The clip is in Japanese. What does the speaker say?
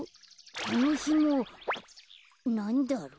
このひもなんだろう。